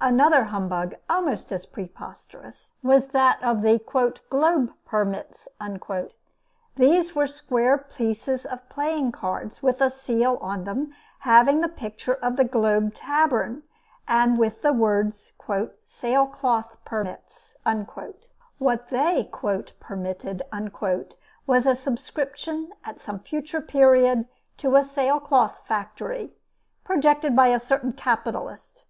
Another humbug almost as preposterous, was that of the "Globe Permits." These were square pieces of playing cards with a seal on them, having the picture of the Globe Tavern, and with the words, "Sailcloth Permits." What they "permitted" was a subscription at some future period to a sailcloth factory, projected by a certain capitalist.